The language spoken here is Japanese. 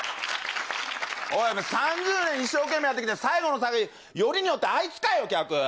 ３０年一生懸命やってきて、最後の客、よりによってあいつかよ、客。